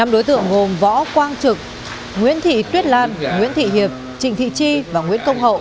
năm đối tượng gồm võ quang trực nguyễn thị tuyết lan nguyễn thị hiệp trịnh thị chi và nguyễn công hậu